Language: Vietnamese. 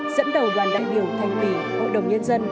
dẫn đầu đoàn đại biểu thành ủy hội đồng nhân dân